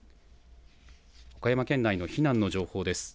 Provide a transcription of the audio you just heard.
岡山県内の避難の情報です。